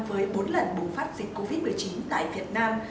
với bốn lần bùng phát dịch covid một mươi chín tại việt nam